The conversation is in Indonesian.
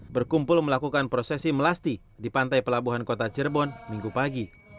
berkumpul melakukan prosesi melasti di pantai pelabuhan kota cirebon minggu pagi